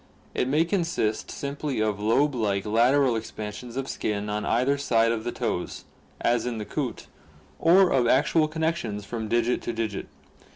It may consist simply of lobe like lateral expansions of skin on either side of the toes, as in the coot, or of actual connections from digit to dipt.